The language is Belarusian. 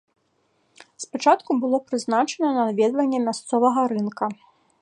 Спачатку было прызначана наведванне мясцовага рынка.